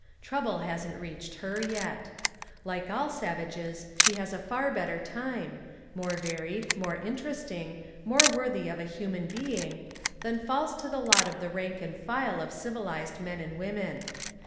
Trouble hasn't reached her yet. Like all sav ages, she has a far better time, — more varied, more interesting, more worthy of a human be ing, — than falls to the lot of the rank and file of civilised men and women.